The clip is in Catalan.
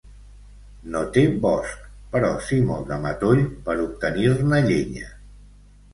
No té bosc, però sí molt de matoll per obtenir-ne llenya.